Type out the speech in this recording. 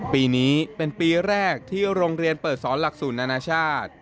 ปีนี้เป็นปีแรกที่โรงเรียนเปิดสอนหลักสูตรอนาชาติ